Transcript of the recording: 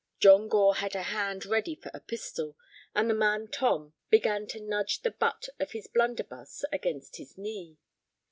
John Gore had a hand ready for a pistol, and the man Tom began to nudge the butt of his blunderbuss against his knee.